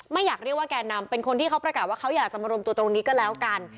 อยากเรียกว่าแก่นำเป็นคนที่เขาประกาศว่าเขาอยากจะมารวมตัวตรงนี้ก็แล้วกัน